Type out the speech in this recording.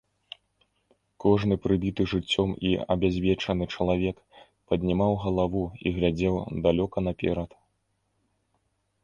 Кожны прыбіты жыццём і абязвечаны чалавек паднімаў галаву і глядзеў далёка наперад.